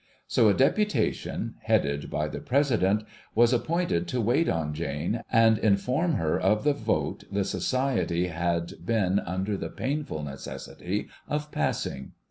So a deputation, headed by the President, was appointed to wait on Jane, and inform her of the vote the Society had been under the painful necessity of passing.